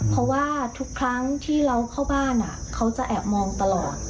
เพราะว่าทุกครั้งที่เราเข้าบ้านเขาจะแอบมองตลอด